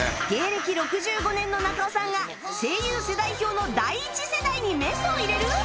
芸歴６５年の中尾さんが声優世代表の第１世代にメスを入れる！？